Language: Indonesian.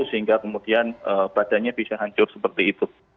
sehingga kemudian badannya bisa hancur seperti itu